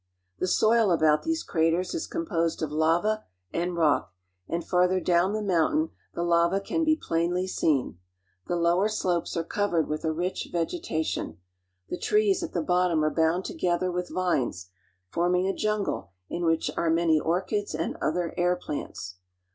The soil about these craters is composed of lava and I rock, and farther down the mountain the lava can be plainly [•seen. The lower slopes are covered with a rich vegeta I tion The trcos at the bottom are bound together with "... huts which look like haystacks." Hnes, forming a jungle in which are many orchids and • "Other air plants.